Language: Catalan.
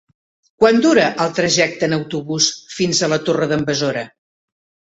Quant dura el trajecte en autobús fins a la Torre d'en Besora?